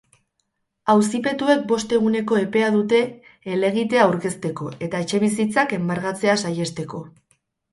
Auzipetuek bost eguneko epea dute helegitea aurkezteko eta etxebizitzak enbargatzea saihesteko.